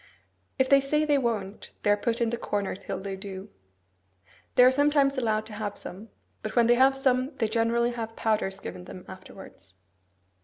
If they say they won't, they are put in the corner till they do. They are sometimes allowed to have some; but when they have some, they generally have powders given them afterwards.